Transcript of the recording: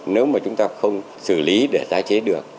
nếu mà chúng ta không xử lý để tái chế được